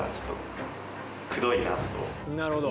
なるほど。